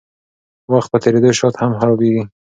وخت په تېرېدو شات هم خرابیږي.